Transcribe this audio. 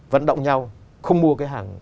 vẫn động nhau không mua cái hàng